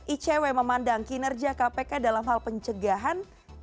icw memandang kinerja kpk dalam hal pencegahan